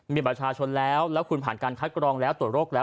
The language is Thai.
มีประชาชนแล้วแล้วคุณผ่านการคัดกรองแล้วตรวจโรคแล้ว